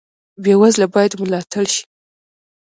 بې وزله باید ملاتړ شي